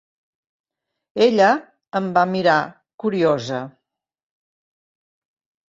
Ella em va mirar, curiosa.